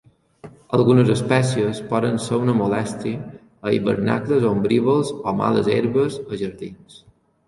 Algunes espècies poden ser una molèstia a hivernacles ombrívols o males herbes a jardins.